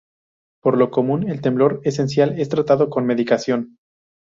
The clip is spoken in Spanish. Por lo común el temblor esencial es tratado con medicación.